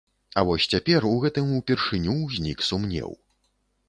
А вось цяпер у гэтым упершыню ўзнік сумнеў.